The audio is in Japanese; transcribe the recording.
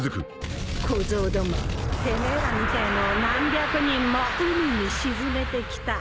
小僧どもてめえらみてえのを何百人も海に沈めてきた。